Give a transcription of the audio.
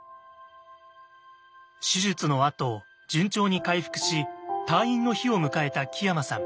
手術のあと順調に回復し退院の日を迎えた木山さん。